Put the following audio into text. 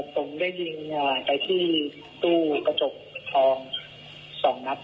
ผมได้ยิงไปที่ตู้กระจกทอง๒นัด